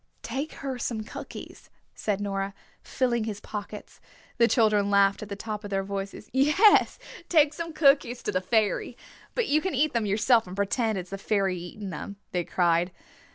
"Take her some cookies," said Nora, filling his pockets. The children laughed at the top of their voices. "Yes, take some cookies to the fairy. But you can eat them yourself and pretend it is the fairy eating them," they cried.